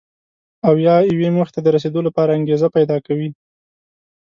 او یا یوې موخې ته د رسېدو لپاره انګېزه پیدا کوي.